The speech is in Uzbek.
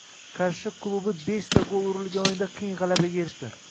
Qarshi klubibeshta gol urilgan o‘yinda qiyin g‘alabaga erishdi